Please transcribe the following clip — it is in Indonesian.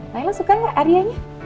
layla suka gak aryanya